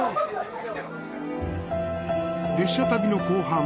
列車旅の後半。